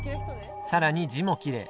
更に字もきれい。